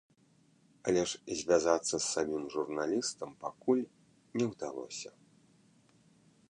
Але ж звязацца з самім журналістам пакуль не ўдалося.